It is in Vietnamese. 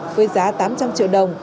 với giá tám mươi triệu đồng